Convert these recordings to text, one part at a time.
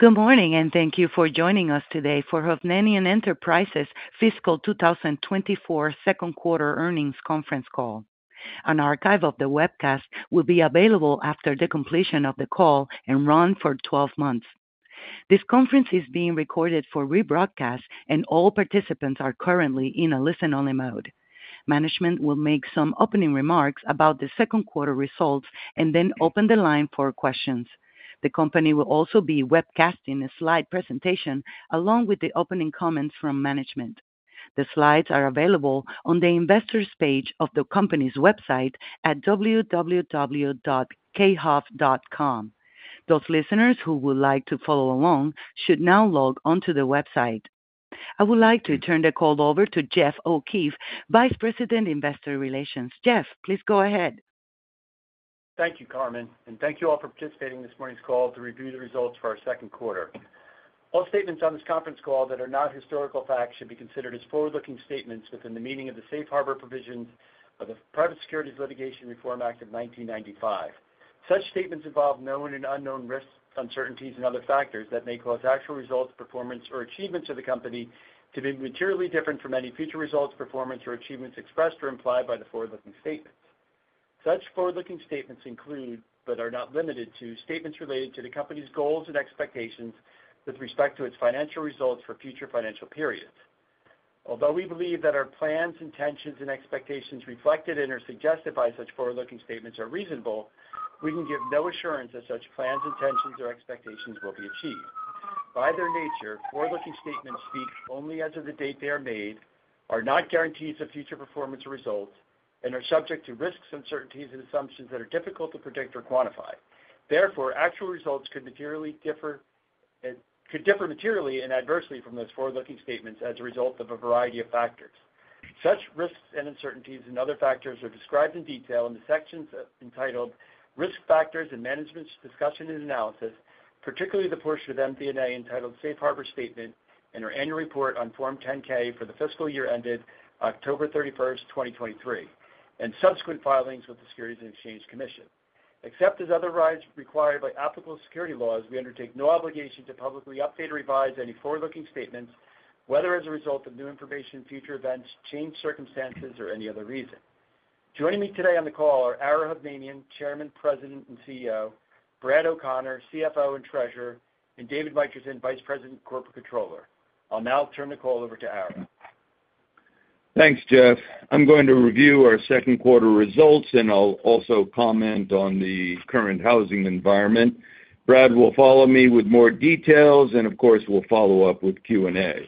Good morning, and thank you for joining us today for Hovnanian Enterprises fiscal 2024 second quarter earnings conference call. An archive of the webcast will be available after the completion of the call and run for 12 months. This conference is being recorded for rebroadcast, and all participants are currently in a listen-only mode. Management will make some opening remarks about the second quarter results and then open the line for questions. The company will also be webcasting a slide presentation along with the opening comments from management. The slides are available on the Investors page of the company's website at www.khov.com. Those listeners who would like to follow along should now log on to the website. I would like to turn the call over to Jeff O'Keefe, Vice President, Investor Relations. Jeff, please go ahead. Thank you, Carmen, and thank you all for participating in this morning's call to review the results for our second quarter. All statements on this conference call that are not historical facts should be considered as forward-looking statements within the meaning of the Safe Harbor provisions of the Private Securities Litigation Reform Act of 1995. Such statements involve known and unknown risks, uncertainties, and other factors that may cause actual results, performance, or achievements of the company to be materially different from any future results, performance, or achievements expressed or implied by the forward-looking statements. Such forward-looking statements include, but are not limited to, statements related to the company's goals and expectations with respect to its financial results for future financial periods. Although we believe that our plans, intentions, and expectations reflected in or suggested by such forward-looking statements are reasonable, we can give no assurance that such plans, intentions, or expectations will be achieved. By their nature, forward-looking statements speak only as of the date they are made, are not guarantees of future performance or results, and are subject to risks, uncertainties, and assumptions that are difficult to predict or quantify. Therefore, actual results could differ materially and adversely from those forward-looking statements as a result of a variety of factors. Such risks and uncertainties and other factors are described in detail in the sections entitled Risk Factors and Management's Discussion and Analysis, particularly the portion of MD&A entitled Safe Harbor Statement and our annual report on Form 10-K for the fiscal year ended October 31st, 2023, and subsequent filings with the Securities and Exchange Commission. Except as otherwise required by applicable securities laws, we undertake no obligation to publicly update or revise any forward-looking statements, whether as a result of new information, future events, changed circumstances, or any other reason. Joining me today on the call are Ara Hovnanian, Chairman, President, and CEO; Brad O'Connor, CFO and Treasurer; and David G. Mickelson, Vice President, Corporate Controller. I'll now turn the call over to Ara. Thanks, Jeff. I'm going to review our second quarter results, and I'll also comment on the current housing environment. Brad will follow me with more details, and of course, we'll follow up with Q&A.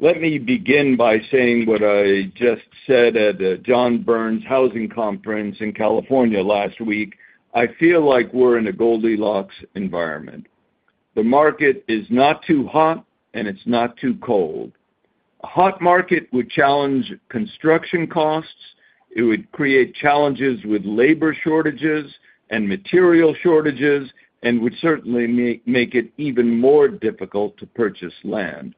Let me begin by saying what I just said at John Burns Housing Conference in California last week: I feel like we're in a Goldilocks environment. The market is not too hot, and it's not too cold. A hot market would challenge construction costs, it would create challenges with labor shortages and material shortages, and would certainly make it even more difficult to purchase land.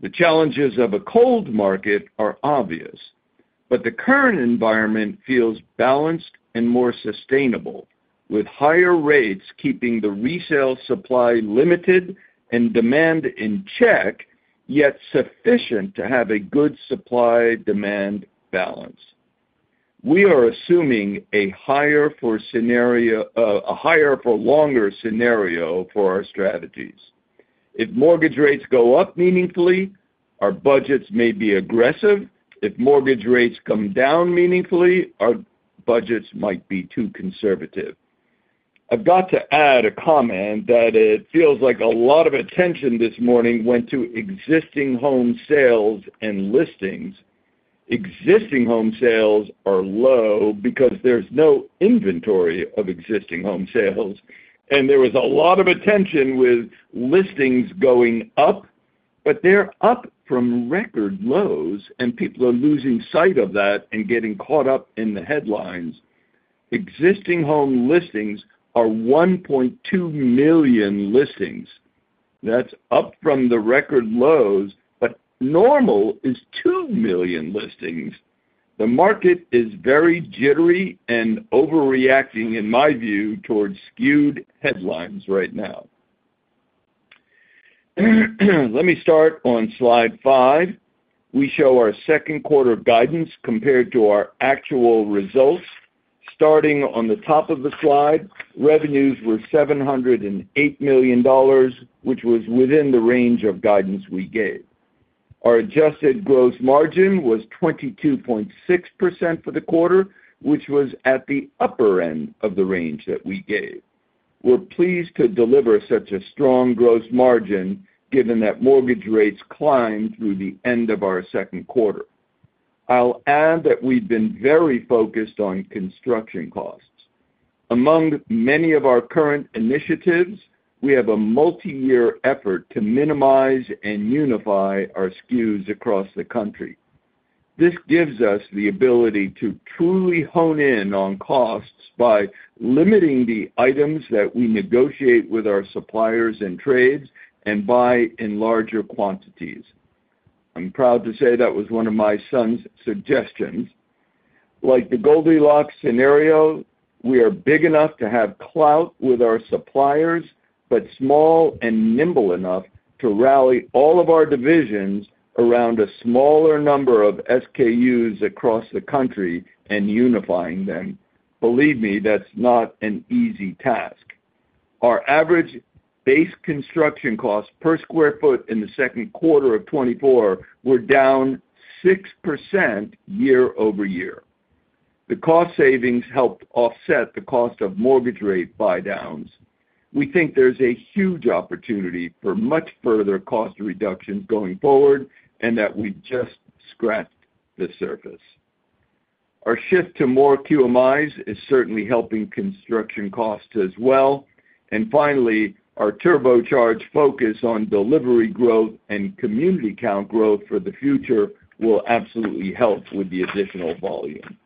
The challenges of a cold market are obvious, but the current environment feels balanced and more sustainable, with higher rates keeping the resale supply limited and demand in check, yet sufficient to have a good supply-demand balance. We are assuming a higher for scenario, a higher-for-longer scenario for our strategies. If mortgage rates go up meaningfully, our budgets may be aggressive. If mortgage rates come down meaningfully, our budgets might be too conservative. I've got to add a comment that it feels like a lot of attention this morning went to existing home sales and listings. Existing home sales are low because there's no inventory of existing home sales, and there was a lot of attention with listings going up, but they're up from record lows, and people are losing sight of that and getting caught up in the headlines. Existing home listings are 1.2 million listings. That's up from the record lows, but normal is 2 million listings. The market is very jittery and overreacting, in my view, towards skewed headlines right now. Let me start on slide five. We show our second quarter guidance compared to our actual results. Starting on the top of the slide, revenues were $708 million, which was within the range of guidance we gave. Our adjusted gross margin was 22.6% for the quarter, which was at the upper end of the range that we gave. We're pleased to deliver such a strong gross margin, given that mortgage rates climbed through the end of our second quarter. I'll add that we've been very focused on construction costs. Among many of our current initiatives, we have a multiyear effort to minimize and unify our SKUs across the country. This gives us the ability to truly hone in on costs by limiting the items that we negotiate with our suppliers and trades and buy in larger quantities. I'm proud to say that was one of my son's suggestions.... Like the Goldilocks scenario, we are big enough to have clout with our suppliers, but small and nimble enough to rally all of our divisions around a smaller number of SKUs across the country and unifying them. Believe me, that's not an easy task. Our average base construction cost per square foot in the second quarter of 2024 were down 6% year-over-year. The cost savings helped offset the cost of mortgage rate buydowns. We think there's a huge opportunity for much further cost reductions going forward, and that we've just scratched the surface. Our shift to more QMIs is certainly helping construction costs as well. And finally, our turbocharged focus on delivery growth and community count growth for the future will absolutely help with the additional volume.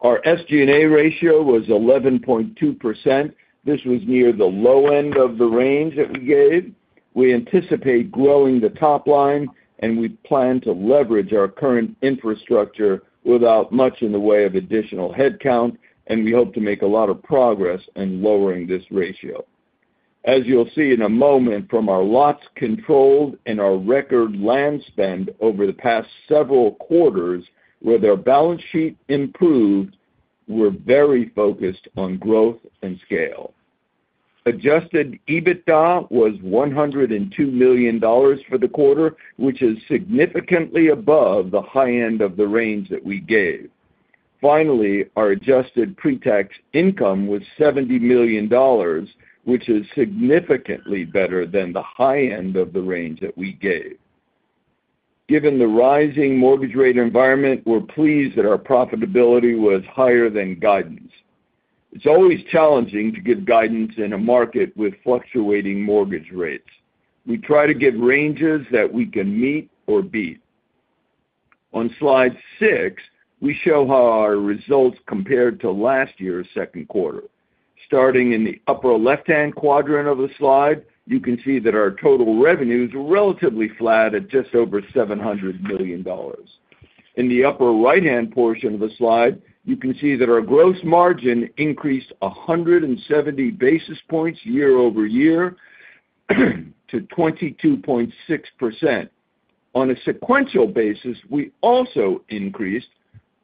Our SG&A ratio was 11.2%. This was near the low end of the range that we gave. We anticipate growing the top line, and we plan to leverage our current infrastructure without much in the way of additional headcount, and we hope to make a lot of progress in lowering this ratio. As you'll see in a moment from our lots controlled and our record land spend over the past several quarters, where their balance sheet improved, we're very focused on growth and scale. Adjusted EBITDA was $102 million for the quarter, which is significantly above the high end of the range that we gave. Finally, our adjusted pre-tax income was $70 million, which is significantly better than the high end of the range that we gave. Given the rising mortgage rate environment, we're pleased that our profitability was higher than guidance. It's always challenging to give guidance in a market with fluctuating mortgage rates. We try to give ranges that we can meet or beat. On slide 6, we show how our results compared to last year's second quarter. Starting in the upper left-hand quadrant of the slide, you can see that our total revenues were relatively flat at just over $700 million. In the upper right-hand portion of the slide, you can see that our gross margin increased 170 basis points year-over-year, to 22.6%. On a sequential basis, we also increased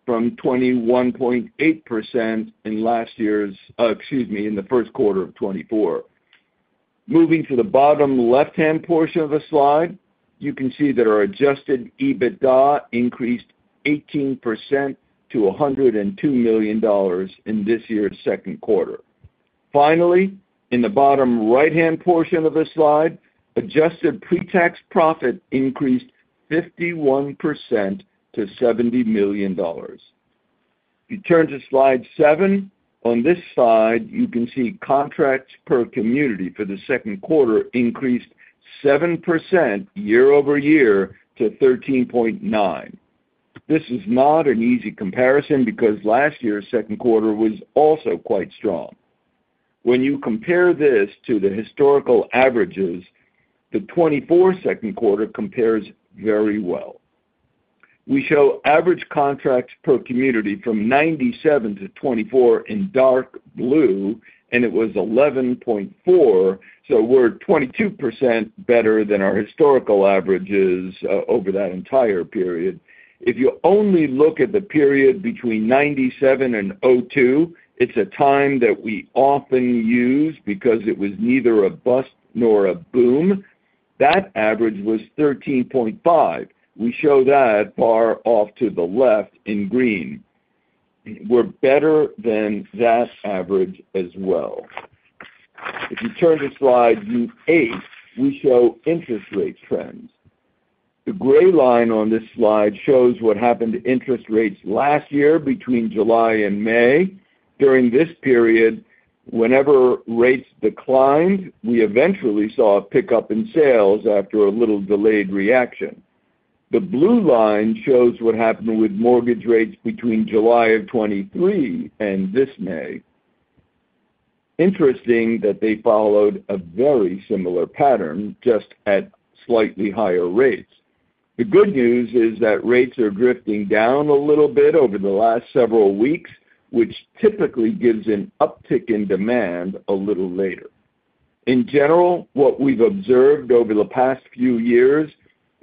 from 21.8% in the first quarter of 2024. Moving to the bottom left-hand portion of the slide, you can see that our Adjusted EBITDA increased 18% to $102 million in this year's second quarter. Finally, in the bottom right-hand portion of the slide, adjusted pre-tax profit increased 51% to $70 million. If you turn to slide seven, on this slide, you can see contracts per community for the second quarter increased 7% year-over-year to 13.9. This is not an easy comparison because last year's second quarter was also quite strong. When you compare this to the historical averages, the 2024 second quarter compares very well. We show average contracts per community from 1997 to 2024 in dark blue, and it was 11.4, so we're 22% better than our historical averages over that entire period. If you only look at the period between 1997 and 2002, it's a time that we often use because it was neither a bust nor a boom. That average was 13.5. We show that far off to the left in green. We're better than that average as well. If you turn to slide eight, we show interest rate trends. The gray line on this slide shows what happened to interest rates last year between July and May. During this period, whenever rates declined, we eventually saw a pickup in sales after a little delayed reaction. The blue line shows what happened with mortgage rates between July of 2023 and this May. Interesting that they followed a very similar pattern, just at slightly higher rates. The good news is that rates are drifting down a little bit over the last several weeks, which typically gives an uptick in demand a little later. In general, what we've observed over the past few years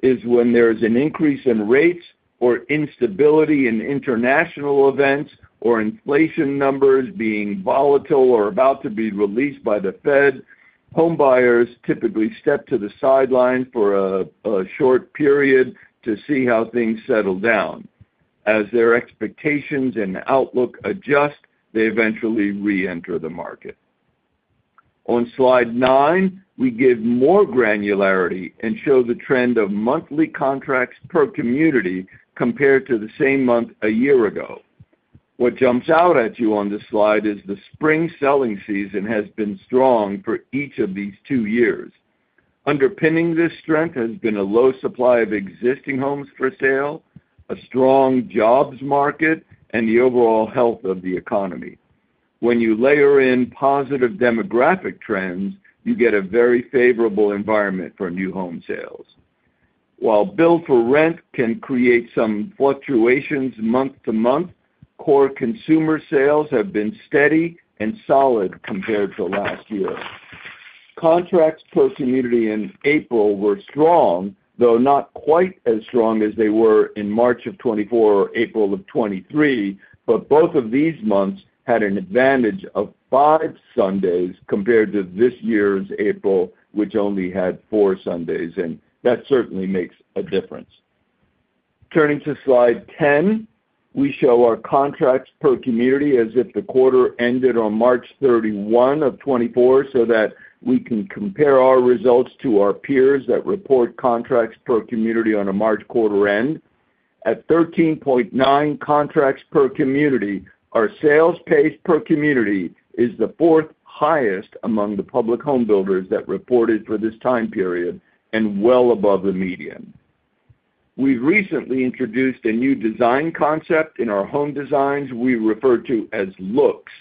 is when there is an increase in rates or instability in international events, or inflation numbers being volatile or about to be released by the Fed, homebuyers typically step to the sideline for a short period to see how things settle down. As their expectations and outlook adjust, they eventually reenter the market. On slide nine, we give more granularity and show the trend of monthly contracts per community compared to the same month a year ago. What jumps out at you on this slide is the spring selling season has been strong for each of these two years. Underpinning this strength has been a low supply of existing homes for sale, a strong jobs market, and the overall health of the economy.... When you layer in positive demographic trends, you get a very favorable environment for new home sales. While Build for Rent can create some fluctuations month to month, core consumer sales have been steady and solid compared to last year. Contracts per community in April were strong, though not quite as strong as they were in March of 2024 or April of 2023, but both of these months had an advantage of five Sundays compared to this year's April, which only had four Sundays, and that certainly makes a difference. Turning to Slide 10, we show our contracts per community as if the quarter ended on March 31 of 2024, so that we can compare our results to our peers that report contracts per community on a March quarter end. At 13.9 contracts per community, our sales pace per community is the fourth highest among the public home builders that reported for this time period, and well above the median. We've recently introduced a new design concept in our home designs we refer to as Looks.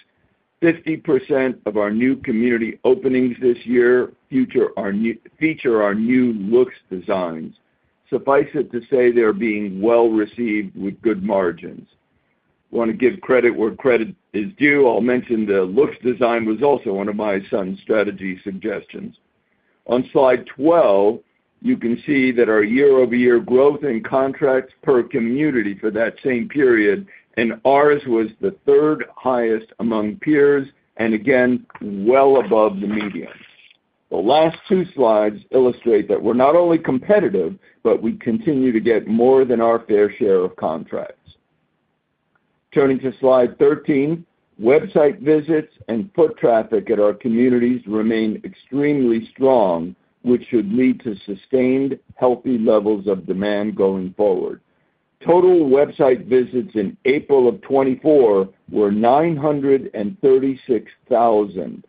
50% of our new community openings this year feature our new Looks designs. Suffice it to say, they're being well received with good margins. Want to give credit where credit is due, I'll mention the Looks design was also one of my son's strategy suggestions. On Slide 12, you can see that our year-over-year growth in contracts per community for that same period, and ours was the third highest among peers, and again, well above the median. The last two slides illustrate that we're not only competitive, but we continue to get more than our fair share of contracts. Turning to Slide 13, website visits and foot traffic at our communities remain extremely strong, which should lead to sustained, healthy levels of demand going forward. Total website visits in April 2024 were 936,000.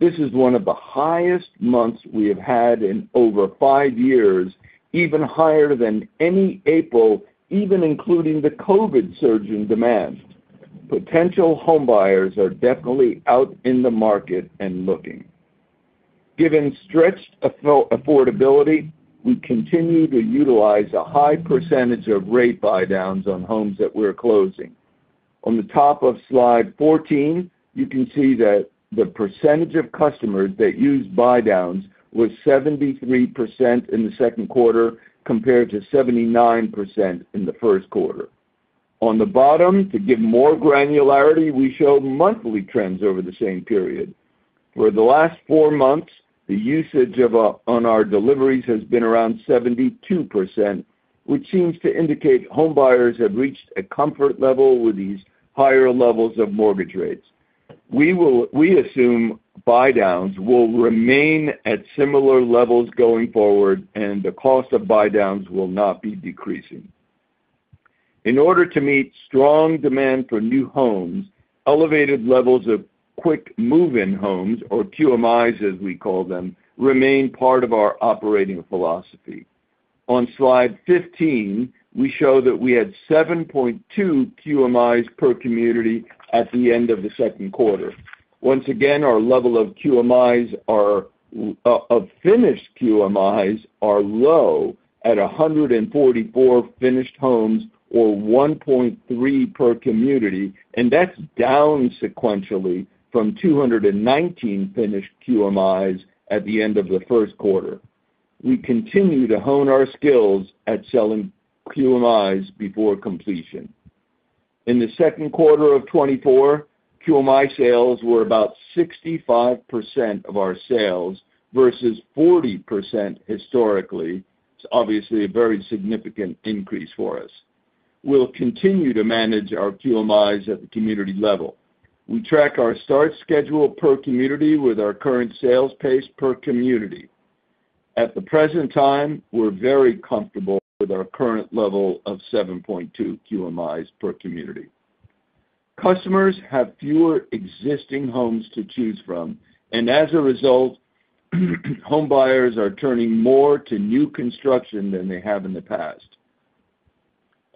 This is one of the highest months we have had in over five years, even higher than any April, even including the COVID surge in demand. Potential homebuyers are definitely out in the market and looking. Given stretched affordability, we continue to utilize a high percentage of rate buydowns on homes that we're closing. On the top of Slide 14, you can see that the percentage of customers that used buydowns was 73% in the second quarter, compared to 79% in the first quarter. On the bottom, to give more granularity, we show monthly trends over the same period. For the last four months, usage of [buydowns] on our deliveries has been around 72%, which seems to indicate homebuyers have reached a comfort level with these higher levels of mortgage rates. We assume buydowns will remain at similar levels going forward, and the cost of buydowns will not be decreasing. In order to meet strong demand for new homes, elevated levels of quick move-in homes, or QMIs, as we call them, remain part of our operating philosophy. On Slide 15, we show that we had 7.2 QMIs per community at the end of the second quarter. Once again, our level of QMIs are of finished QMIs are low at 144 finished homes or 1.3 per community, and that's down sequentially from 219 finished QMIs at the end of the first quarter. We continue to hone our skills at selling QMIs before completion. In the second quarter of 2024, QMI sales were about 65% of our sales, versus 40% historically. It's obviously a very significant increase for us. We'll continue to manage our QMIs at the community level. We track our start schedule per community with our current sales pace per community. At the present time, we're very comfortable with our current level of 7.2 QMIs per community. Customers have fewer existing homes to choose from, and as a result, homebuyers are turning more to new construction than they have in the past.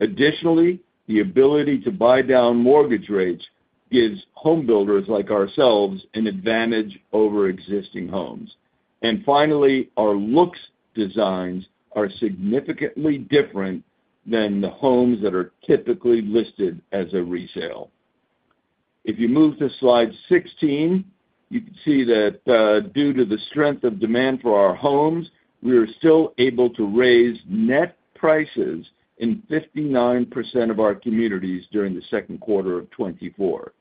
Additionally, the ability to buy down mortgage rates gives home builders like ourselves an advantage over existing homes. And finally, our Looks designs are significantly different than the homes that are typically listed as a resale. If you move to Slide 16, you can see that, due to the strength of demand for our homes, we are still able to raise net prices in 59% of our communities during the second quarter of 2024.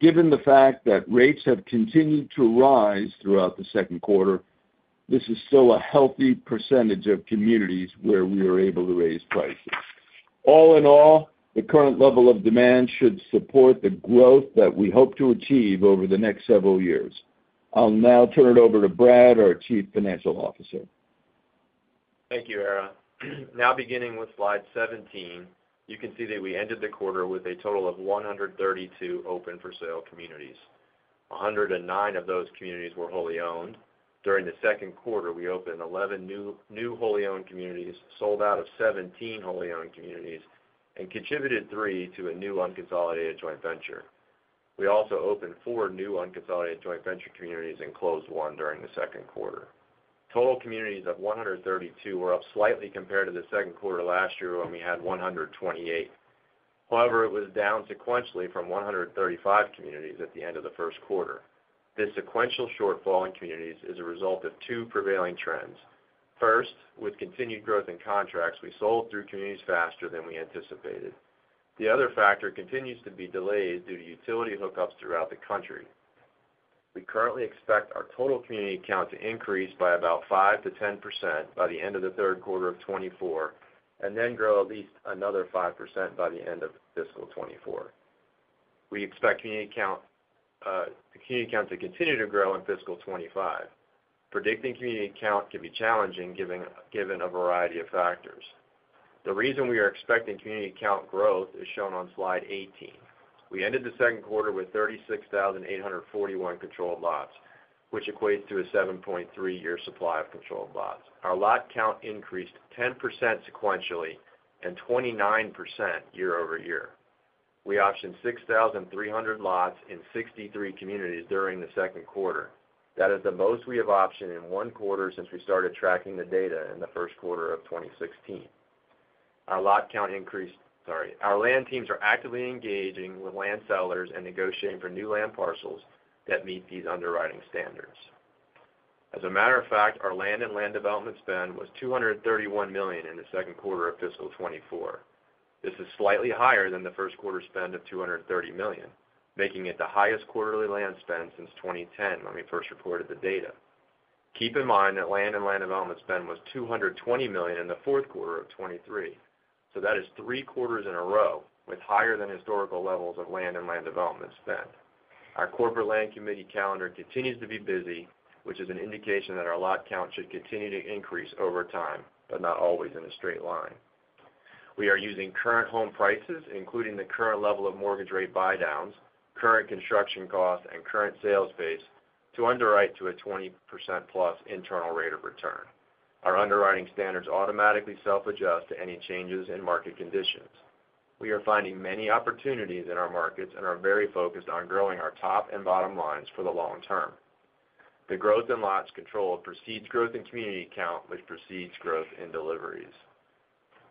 Given the fact that rates have continued to rise throughout the second quarter, this is still a healthy percentage of communities where we are able to raise prices. All in all, the current level of demand should support the growth that we hope to achieve over the next several years. I'll now turn it over to Brad, our Chief Financial Officer. Thank you, Ara. Now, beginning with Slide 17, you can see that we ended the quarter with a total of 132 open-for-sale communities. 109 of those communities were wholly owned. During the second quarter, we opened 11 new wholly owned communities, sold out of 17 wholly owned communities, and contributed three to a new unconsolidated joint venture. We also opened four new unconsolidated joint venture communities and closed 1 during the second quarter. Total communities of 132 were up slightly compared to the second quarter last year, when we had 128. However, it was down sequentially from 135 communities at the end of the first quarter. This sequential shortfall in communities is a result of two prevailing trends. First, with continued growth in contracts, we sold through communities faster than we anticipated. The other factor continues to be delayed due to utility hookups throughout the country. We currently expect our total community count to increase by about 5%-10% by the end of the third quarter of 2024, and then grow at least another 5% by the end of fiscal 2024. We expect community count, the community count to continue to grow in fiscal 2025. Predicting community count can be challenging, given a variety of factors. The reason we are expecting community count growth is shown on Slide 18. We ended the second quarter with 36,841 controlled lots, which equates to a 7.3-year supply of controlled lots. Our lot count increased 10% sequentially and 29% year-over-year. We optioned 6,300 lots in 63 communities during the second quarter. That is the most we have optioned in one quarter since we started tracking the data in the first quarter of 2016. Our land teams are actively engaging with land sellers and negotiating for new land parcels that meet these underwriting standards. As a matter of fact, our land and land development spend was $231 million in the second quarter of fiscal 2024. This is slightly higher than the first quarter spend of $230 million, making it the highest quarterly land spend since 2010, when we first reported the data. Keep in mind that land and land development spend was $220 million in the fourth quarter of 2023, so that is three quarters in a row with higher than historical levels of land and land development spend. Our corporate land committee calendar continues to be busy, which is an indication that our lot count should continue to increase over time, but not always in a straight line. We are using current home prices, including the current level of mortgage rate buydowns, current construction costs, and current sales pace, to underwrite to a 20% plus internal rate of return. Our underwriting standards automatically self-adjust to any changes in market conditions. We are finding many opportunities in our markets and are very focused on growing our top and bottom lines for the long term. The growth in lots controlled precedes growth in community count, which precedes growth in deliveries.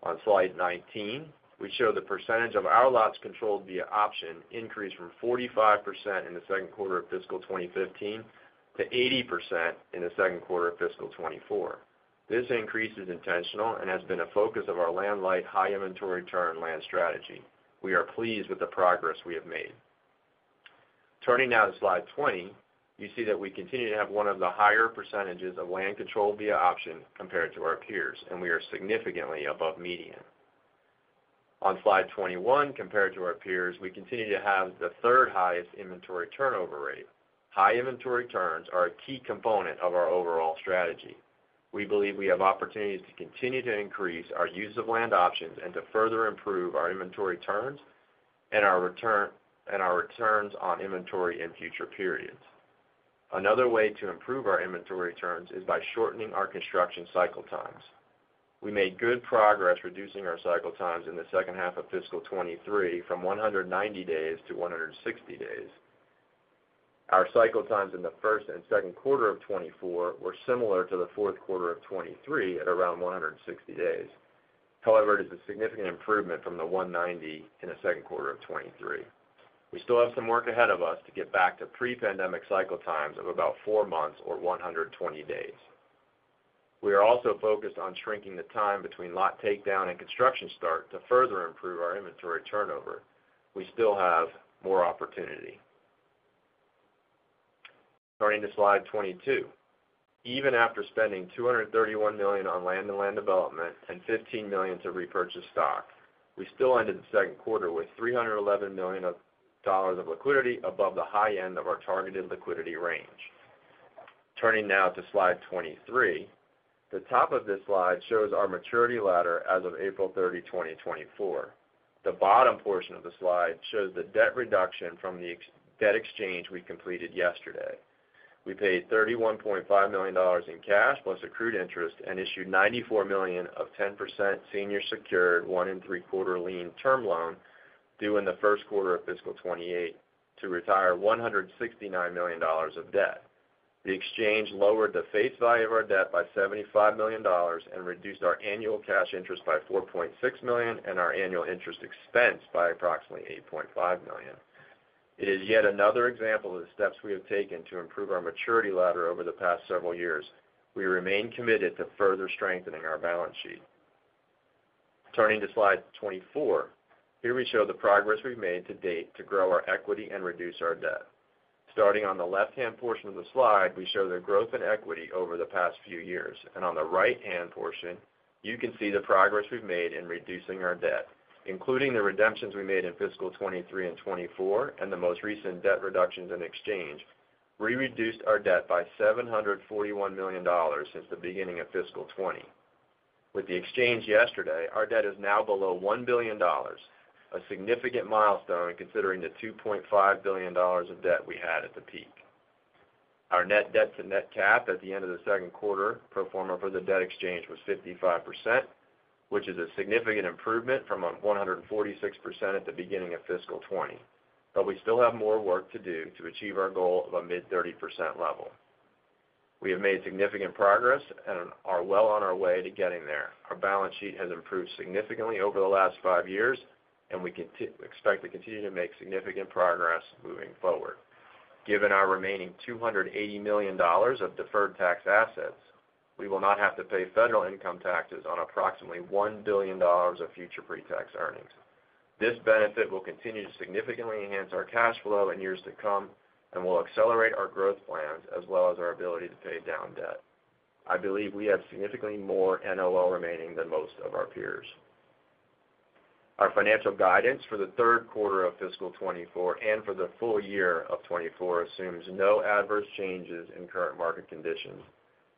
On Slide 19, we show the percentage of our lots controlled via option increased from 45% in the second quarter of fiscal 2015 to 80% in the second quarter of fiscal 2024. This increase is intentional and has been a focus of our land light, high inventory return land strategy. We are pleased with the progress we have made. Turning now to Slide 20, you see that we continue to have one of the higher percentages of land controlled via option compared to our peers, and we are significantly above median. On Slide 21, compared to our peers, we continue to have the third highest inventory turnover rate. High inventory turns are a key component of our overall strategy. We believe we have opportunities to continue to increase our use of land options and to further improve our inventory turns and our return, and our returns on inventory in future periods. Another way to improve our inventory turns is by shortening our construction cycle times. We made good progress reducing our cycle times in the second half of fiscal 2023 from 190 days to 160 days. Our cycle times in the first and second quarter of 2024 were similar to the fourth quarter of 2023, at around 160 days. However, it is a significant improvement from the 190 in the second quarter of 2023. We still have some work ahead of us to get back to pre-pandemic cycle times of about four months or 120 days. We are also focused on shrinking the time between lot takedown and construction start to further improve our inventory turnover. We still have more opportunity. Turning to Slide 22. Even after spending $231 million on land and land development and $15 million to repurchase stock, we still ended the second quarter with $311 million dollars of liquidity above the high end of our targeted liquidity range. Turning now to Slide 23. The top of this slide shows our maturity ladder as of April 30, 2024. The bottom portion of the slide shows the debt reduction from the debt exchange we completed yesterday. We paid $31.5 million dollars in cash plus accrued interest and issued $94 million of 10% senior secured 1.75 lien term loan, due in the first quarter of fiscal 2028, to retire $169 million dollars of debt. The exchange lowered the face value of our debt by $75 million and reduced our annual cash interest by $4.6 million and our annual interest expense by approximately $8.5 million. It is yet another example of the steps we have taken to improve our maturity ladder over the past several years. We remain committed to further strengthening our balance sheet. Turning to Slide 24. Here we show the progress we've made to date to grow our equity and reduce our debt. Starting on the left-hand portion of the slide, we show the growth in equity over the past few years, and on the right-hand portion, you can see the progress we've made in reducing our debt, including the redemptions we made in fiscal 2023 and 2024, and the most recent debt reductions in exchange. We reduced our debt by $741 million since the beginning of fiscal 2020.... with the exchange yesterday, our debt is now below $1 billion, a significant milestone considering the $2.5 billion of debt we had at the peak. Our Net Debt to Net Cap at the end of the second quarter, pro forma for the debt exchange, was 55%, which is a significant improvement from 146% at the beginning of fiscal 2020. But we still have more work to do to achieve our goal of a mid-30% level. We have made significant progress and are well on our way to getting there. Our balance sheet has improved significantly over the last five years, and we expect to continue to make significant progress moving forward. Given our remaining $280 million of deferred tax assets, we will not have to pay federal income taxes on approximately $1 billion of future pretax earnings. This benefit will continue to significantly enhance our cash flow in years to come and will accelerate our growth plans as well as our ability to pay down debt. I believe we have significantly more NOL remaining than most of our peers. Our financial guidance for the third quarter of fiscal 2024 and for the full year of 2024 assumes no adverse changes in current market conditions,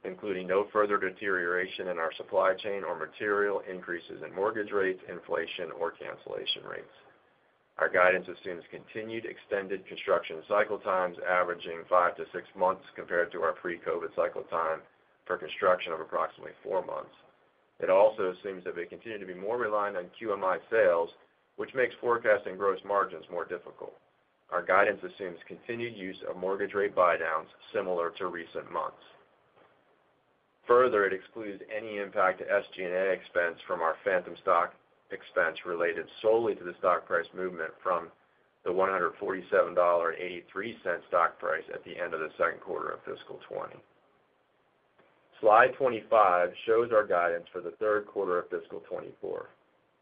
including no further deterioration in our supply chain or material increases in mortgage rates, inflation, or cancellation rates. Our guidance assumes continued extended construction cycle times averaging five months-six months compared to our pre-COVID cycle time for construction of approximately four months. It also assumes that we continue to be more reliant on QMI sales, which makes forecasting gross margins more difficult. Our guidance assumes continued use of mortgage rate buydowns similar to recent months. Further, it excludes any impact to SG&A expense from our phantom stock expense related solely to the stock price movement from the $147.83 stock price at the end of the second quarter of fiscal 2020. Slide 25 shows our guidance for the third quarter of fiscal 2024.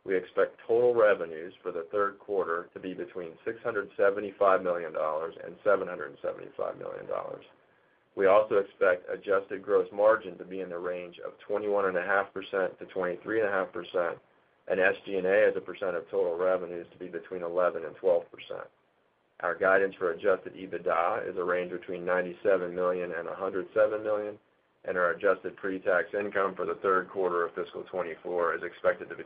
We expect total revenues for the third quarter to be between $675 million and $775 million. We also expect adjusted gross margin to be in the range of 21.5%-23.5%, and SG&A as a percent of total revenues to be between 11% and 12%. Our guidance for Adjusted EBITDA is a range between $97 million and $107 million, and our adjusted pretax income for the third quarter of fiscal 2024 is expected to be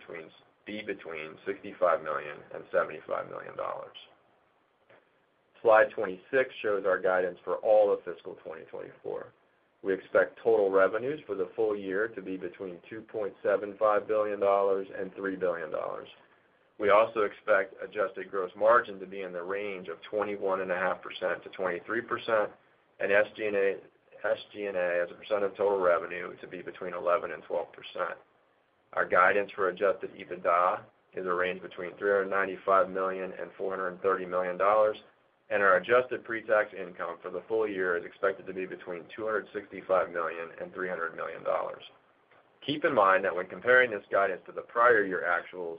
between $65 million and $75 million. Slide 26 shows our guidance for all of fiscal 2024. We expect total revenues for the full year to be between $2.75 billion and $3 billion. We also expect adjusted gross margin to be in the range of 21.5%-23%, and SG&A as a percent of total revenue to be between 11% and 12%. Our guidance for Adjusted EBITDA is a range between $395 million and $430 million, and our adjusted pre-tax income for the full year is expected to be between $265 million and $300 million. Keep in mind that when comparing this guidance to the prior year actuals,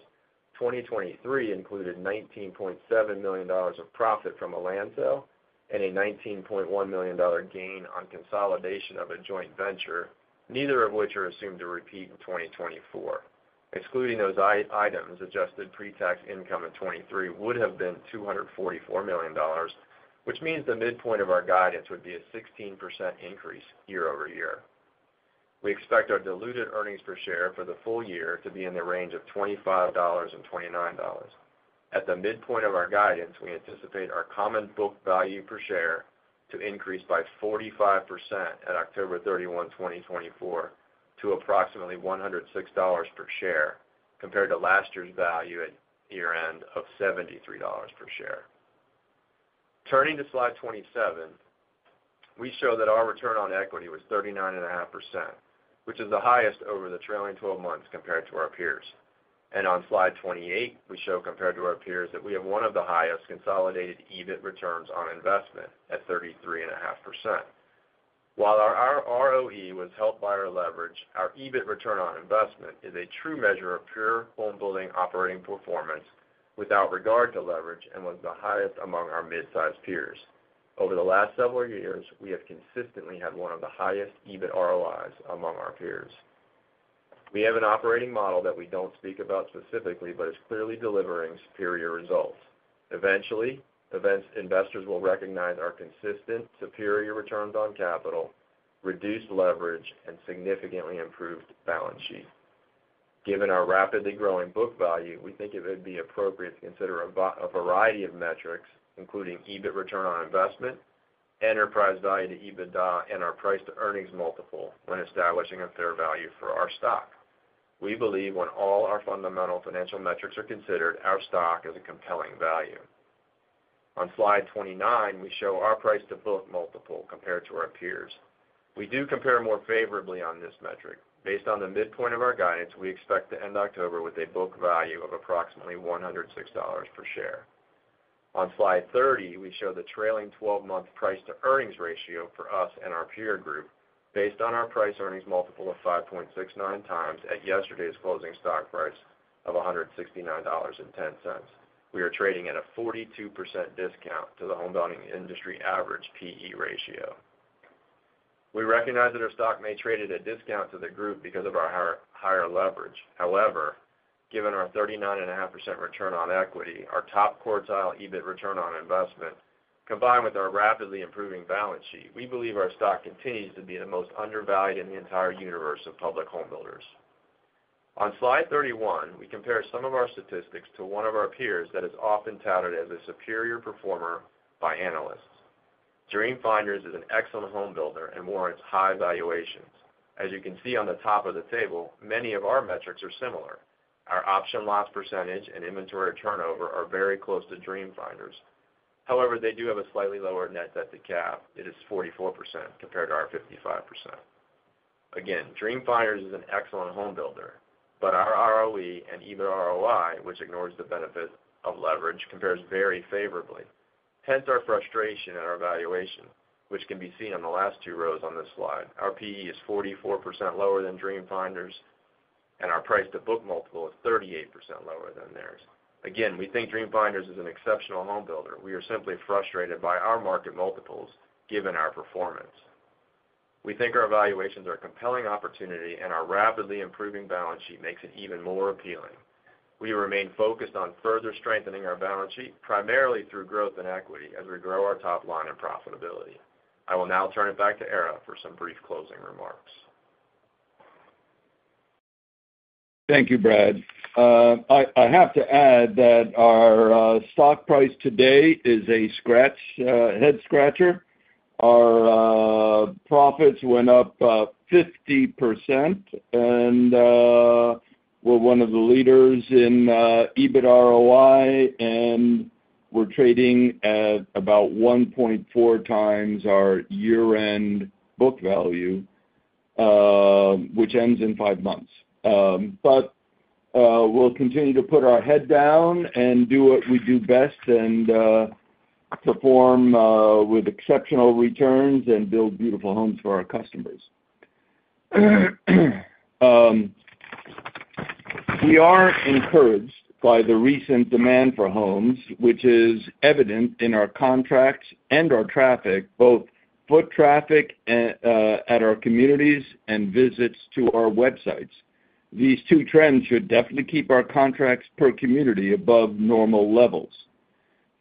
2023 included $19.7 million of profit from a land sale and a $19.1 million gain on consolidation of a joint venture, neither of which are assumed to repeat in 2024. Excluding those items, adjusted pre-tax income in 2023 would have been $244 million, which means the midpoint of our guidance would be a 16% increase year-over-year. We expect our diluted earnings per share for the full year to be in the range of $25-$29. At the midpoint of our guidance, we anticipate our common book value per share to increase by 45% at October 31st, 2024, to approximately $106 per share, compared to last year's value at year-end of $73 per share. Turning to Slide 27, we show that our return on equity was 39.5%, which is the highest over the trailing twelve months compared to our peers. On Slide 28, we show, compared to our peers, that we have one of the highest consolidated EBIT returns on investment at 33.5%. While our ROE was helped by our leverage, our EBIT return on investment is a true measure of pure homebuilding operating performance without regard to leverage and was the highest among our mid-sized peers. Over the last several years, we have consistently had one of the highest EBIT ROIs among our peers. We have an operating model that we don't speak about specifically, but it's clearly delivering superior results. Eventually, investors will recognize our consistent, superior returns on capital, reduced leverage, and significantly improved balance sheet. Given our rapidly growing book value, we think it would be appropriate to consider a variety of metrics, including EBIT return on investment, enterprise value to EBITDA, and our price-to-earnings multiple when establishing a fair value for our stock. We believe when all our fundamental financial metrics are considered, our stock is a compelling value. On Slide 29, we show our price-to-book multiple compared to our peers. We do compare more favorably on this metric. Based on the midpoint of our guidance, we expect to end October with a book value of approximately $106 per share. On Slide 30, we show the trailing twelve-month price-to-earnings ratio for us and our peer group based on our price-to-earnings multiple of 5.69x at yesterday's closing stock price of $169.10. We are trading at a 42% discount to the homebuilding industry average P/E ratio. We recognize that our stock may trade at a discount to the group because of our higher, higher leverage. However-... Given our 39.5% return on equity, our top quartile EBIT return on investment, combined with our rapidly improving balance sheet, we believe our stock continues to be the most undervalued in the entire universe of public homebuilders. On Slide 31, we compare some of our statistics to one of our peers that is often touted as a superior performer by analysts. Dream Finders is an excellent homebuilder and warrants high valuations. As you can see on the top of the table, many of our metrics are similar. Our option loss percentage and inventory turnover are very close to Dream Finders. However, they do have a slightly lower net debt to cap. It is 44% compared to our 55%. Again, Dream Finders is an excellent homebuilder, but our ROE and EBIT ROI, which ignores the benefit of leverage, compares very favorably. Hence, our frustration at our valuation, which can be seen on the last two rows on this slide. Our P/E is 44% lower than Dream Finders, and our price-to-book multiple is 38% lower than theirs. Again, we think Dream Finders is an exceptional homebuilder. We are simply frustrated by our market multiples given our performance. We think our valuations are a compelling opportunity, and our rapidly improving balance sheet makes it even more appealing. We remain focused on further strengthening our balance sheet, primarily through growth and equity, as we grow our top line and profitability. I will now turn it back to Ara for some brief closing remarks. Thank you, Brad. I have to add that our stock price today is a scratch head-scratcher. Our profits went up 50%, and we're one of the leaders in EBIT ROI, and we're trading at about 1.4 times our year-end book value, which ends in five months. But we'll continue to put our head down and do what we do best, and perform with exceptional returns and build beautiful homes for our customers. We are encouraged by the recent demand for homes, which is evident in our contracts and our traffic, both foot traffic at our communities and visits to our websites. These two trends should definitely keep our contracts per community above normal levels.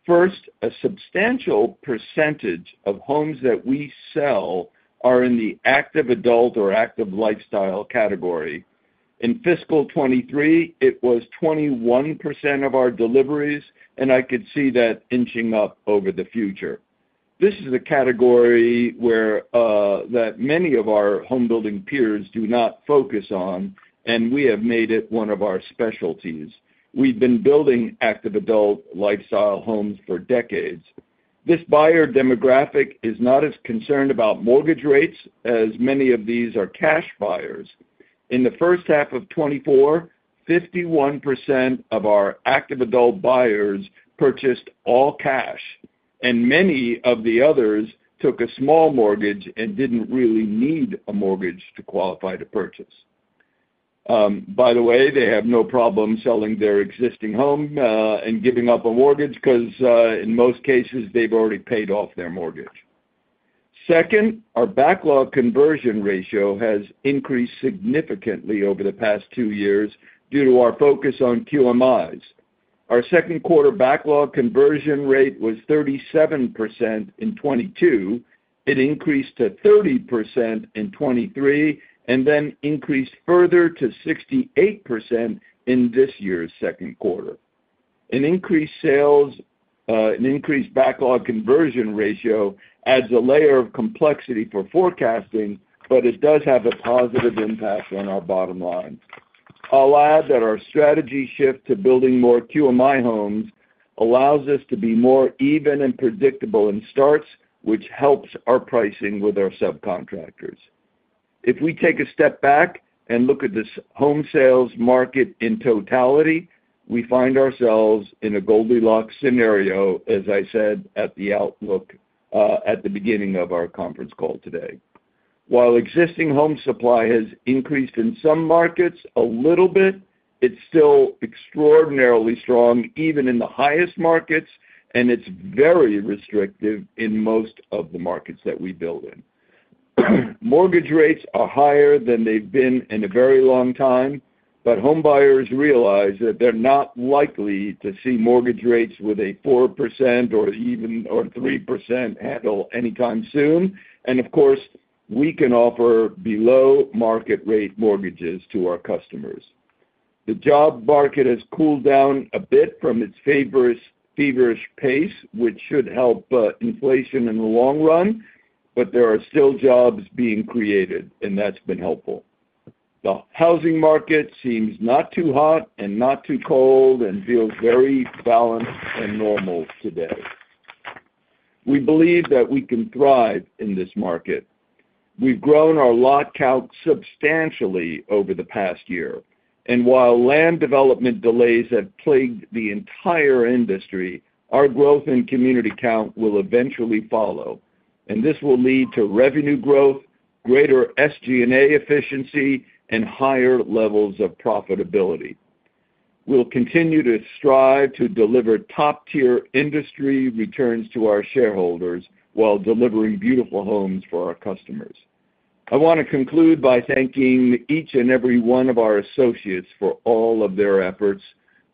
First, a substantial percentage of homes that we sell are in the active adult or active lifestyle category. In fiscal 2023, it was 21% of our deliveries, and I could see that inching up over the future. This is a category where that many of our homebuilding peers do not focus on, and we have made it one of our specialties. We've been building active adult lifestyle homes for decades. This buyer demographic is not as concerned about mortgage rates, as many of these are cash buyers. In the first half of 2024, 51% of our active adult buyers purchased all cash, and many of the others took a small mortgage and didn't really need a mortgage to qualify to purchase. By the way, they have no problem selling their existing home and giving up a mortgage because in most cases, they've already paid off their mortgage. Second, our backlog conversion ratio has increased significantly over the past two years due to our focus on QMIs. Our second quarter backlog conversion rate was 37% in 2022. It increased to 30% in 2023, and then increased further to 68% in this year's second quarter. An increased backlog conversion ratio adds a layer of complexity for forecasting, but it does have a positive impact on our bottom line. I'll add that our strategy shift to building more QMI homes allows us to be more even and predictable in starts, which helps our pricing with our subcontractors. If we take a step back and look at this home sales market in totality, we find ourselves in a Goldilocks scenario, as I said, at the outlook, at the beginning of our conference call today. While existing home supply has increased in some markets a little bit, it's still extraordinarily strong, even in the highest markets, and it's very restrictive in most of the markets that we build in. Mortgage rates are higher than they've been in a very long time, but homebuyers realize that they're not likely to see mortgage rates with a 4% or even—or 3% handle anytime soon. Of course, we can offer below-market rate mortgages to our customers. The job market has cooled down a bit from its feverish pace, which should help inflation in the long run, but there are still jobs being created, and that's been helpful. The housing market seems not too hot and not too cold and feels very balanced and normal today. We believe that we can thrive in this market. We've grown our lot count substantially over the past year, and while land development delays have plagued the entire industry, our growth in community count will eventually follow, and this will lead to revenue growth, greater SG&A efficiency, and higher levels of profitability. We'll continue to strive to deliver top-tier industry returns to our shareholders while delivering beautiful homes for our customers.... I wanna conclude by thanking each and every one of our associates for all of their efforts.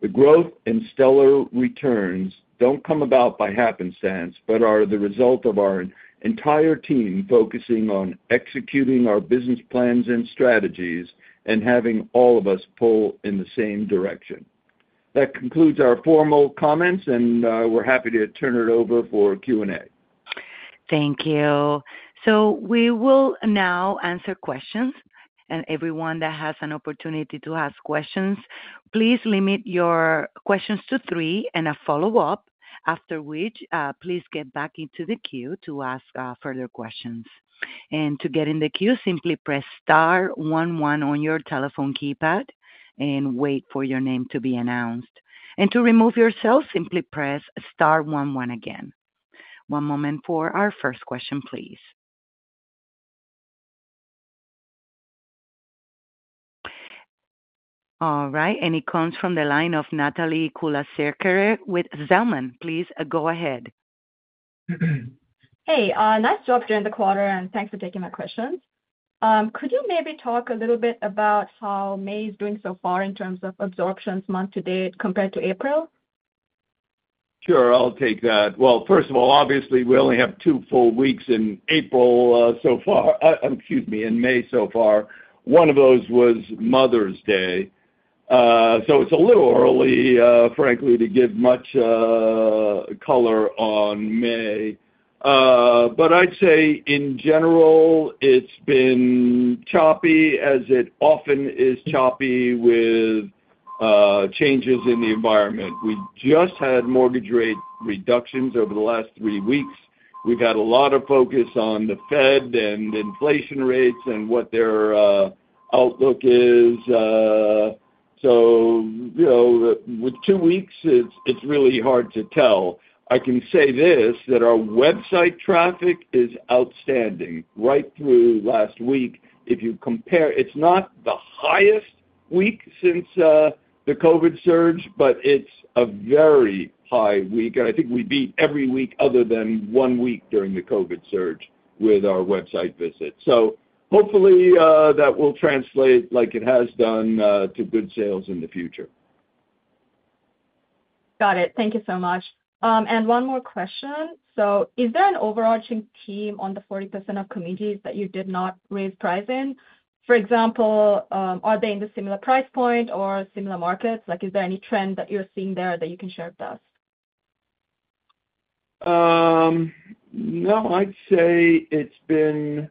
The growth and stellar returns don't come about by happenstance, but are the result of our entire team focusing on executing our business plans and strategies and having all of us pull in the same direction. That concludes our formal comments, and we're happy to turn it over for Q&A. Thank you. So we will now answer questions, and everyone that has an opportunity to ask questions, please limit your questions to three and a follow-up, after which, please get back into the queue to ask further questions. And to get in the queue, simply press star one one on your telephone keypad and wait for your name to be announced. And to remove yourself, simply press star one one again. One moment for our first question, please. All right, and it comes from the line of Natalie Kulasekere with Zelman. Please, go ahead. Hey, nice job during the quarter, and thanks for taking my questions. Could you maybe talk a little bit about how May is doing so far in terms of absorptions month to date compared to April? Sure, I'll take that. Well, first of all, obviously, we only have two full weeks in April, so far, excuse me, in May so far. One of those was Mother's Day. So it's a little early, frankly, to give much color on May. But I'd say, in general, it's been choppy, as it often is choppy with changes in the environment. We just had mortgage rate reductions over the last three weeks. We've had a lot of focus on the Fed and inflation rates and what their outlook is. So, you know, with two weeks, it's really hard to tell. I can say this, that our website traffic is outstanding right through last week. If you compare... It's not the highest week since the COVID surge, but it's a very high week, and I think we beat every week other than one week during the COVID surge with our website visits. So hopefully, that will translate like it has done to good sales in the future. Got it. Thank you so much. And one more question: So is there an overarching theme on the 40% of communities that you did not raise price in? For example, are they in the similar price point or similar markets? Like, is there any trend that you're seeing there that you can share with us? No, I'd say it's been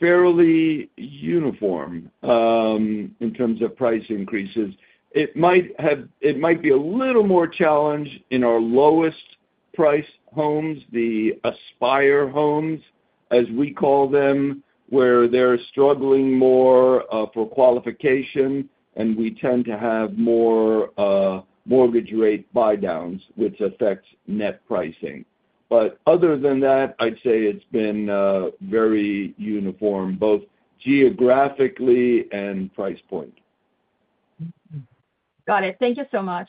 fairly uniform in terms of price increases. It might be a little more challenged in our lowest priced homes, the Aspire homes, as we call them, where they're struggling more for qualification, and we tend to have more mortgage rate buydowns, which affects net pricing. But other than that, I'd say it's been very uniform, both geographically and price point. Mm-hmm. Got it. Thank you so much.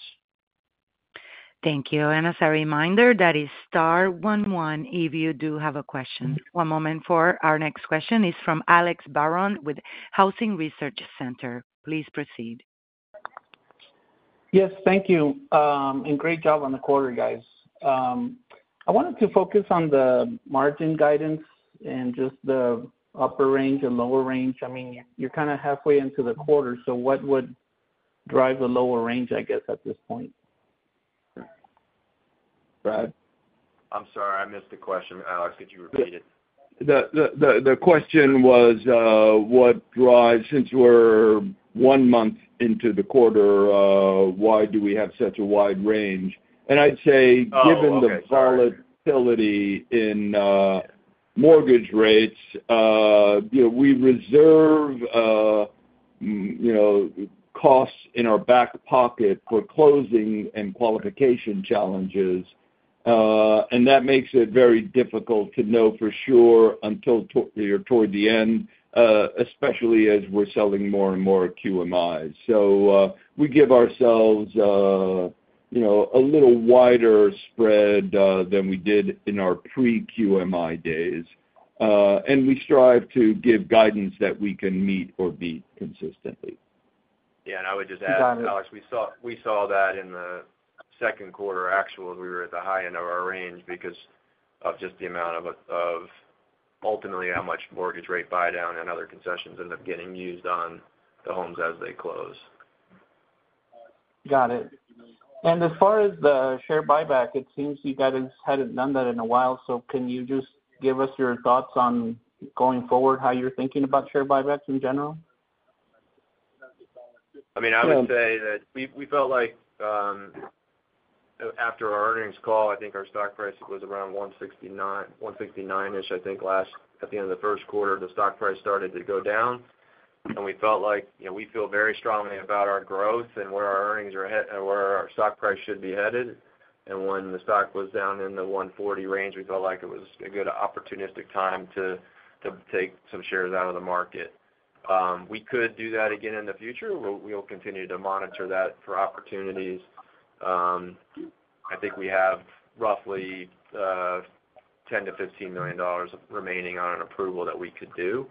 Thank you. And as a reminder, that is star one one if you do have a question. One moment for our next question is from Alex Barron with Housing Research Center. Please proceed. Yes, thank you. Great job on the quarter, guys. I wanted to focus on the margin guidance and just the upper range and lower range. I mean, you're kind of halfway into the quarter, so what would drive the lower range, I guess, at this point? Brad? I'm sorry, I missed the question, Alex. Could you repeat it? The question was, what drives... Since we're one month into the quarter, why do we have such a wide range? And I'd say- Oh, okay. -given the volatility in mortgage rates, you know, we reserve, you know, costs in our back pocket for closing and qualification challenges, and that makes it very difficult to know for sure until you know, toward the end, especially as we're selling more and more QMIs. So, we give ourselves, you know, a little wider spread than we did in our pre-QMI days, and we strive to give guidance that we can meet or beat consistently. Yeah, and I would just add, Alex, we saw, we saw that in the second quarter actually, we were at the high end of our range because of just the amount of, of ultimately how much mortgage rate buydown and other concessions end up getting used on the homes as they close. Got it. As far as the share buyback, it seems you guys hadn't done that in a while, so can you just give us your thoughts on going forward, how you're thinking about share buybacks in general? I mean, I would say that we felt like after our earnings call, I think our stock price was around 169, 169-ish. I think last at the end of the first quarter, the stock price started to go down, and we felt like, you know, we feel very strongly about our growth and where our earnings are headed and where our stock price should be headed. And when the stock was down in the 140 range, we felt like it was a good opportunistic time to take some shares out of the market. We could do that again in the future. We'll continue to monitor that for opportunities. I think we have roughly $10 million-$15 million remaining on an approval that we could do.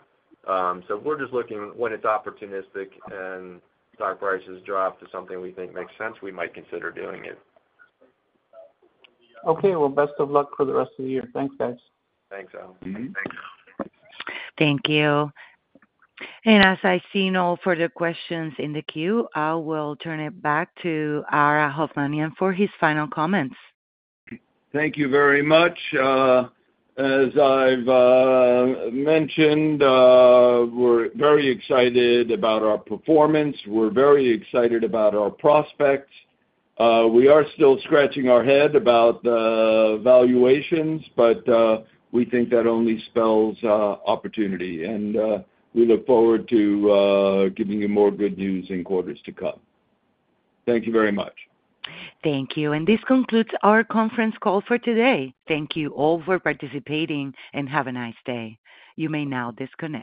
So we're just looking when it's opportunistic and stock prices drop to something we think makes sense, we might consider doing it. Okay. Well, best of luck for the rest of the year. Thanks, guys. Thanks, Alex. Mm-hmm. Thanks. Thank you. As I see no further questions in the queue, I will turn it back to Ara Hovnanian for his final comments. Thank you very much. As I've mentioned, we're very excited about our performance. We're very excited about our prospects. We are still scratching our head about the valuations, but, we think that only spells opportunity, and, we look forward to giving you more good news in quarters to come. Thank you very much. Thank you. This concludes our conference call for today. Thank you all for participating, and have a nice day. You may now disconnect.